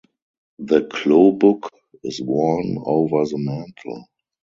The klobuk is worn over the mantle.